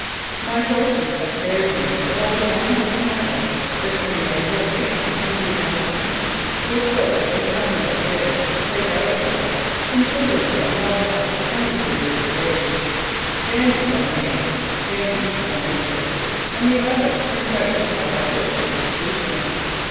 My two horses had carried me for over 900 miles between May 14 and June 19, which was as much as I dared take out of them, considering that one was twenty two years of age (" Dandy " by name, dandy by nature), and the other turned out to have a poor con stitution.